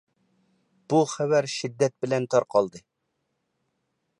بۇ خەۋەر شىددەت بىلەن تارقالدى،